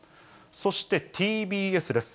そしてＴＢＳです。